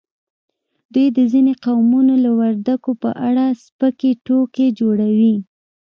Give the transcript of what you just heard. دوی د ځینو قومونو لکه وردګو په اړه سپکې ټوکې جوړوي